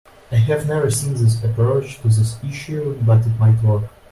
I have never seen this approach to this issue, but it might work.